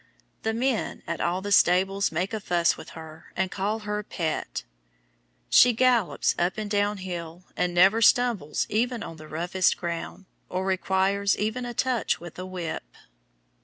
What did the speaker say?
The men at all the stables make a fuss with her, and call her "Pet." She gallops up and down hill, and never stumbles even on the roughest ground, or requires even a touch with a whip.